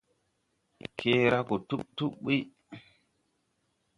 Kee ra go tub tub buy.